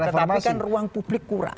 tetapi kan ruang publik kurang